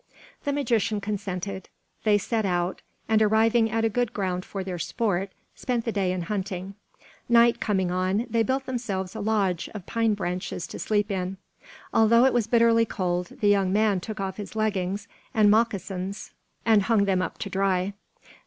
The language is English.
The magician consented; they set out, and arriving at a good ground for their sport, spent the day in hunting. Night coming on, they built themselves a lodge of pine branches to sleep in. Although it was bitterly cold, the young man took off his leggings and moccasins and hung them up to dry.